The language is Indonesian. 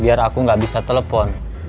biar aku nggak bisa telepon